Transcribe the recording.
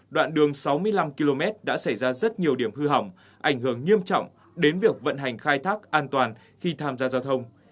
đoạn đường sáu mươi năm km đã xảy ra rất nhiều điểm hư hỏng ảnh hưởng nghiêm trọng đến việc vận hành khai thác an toàn khi tham gia giao thông